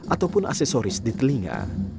ataupun aksesoris di telinga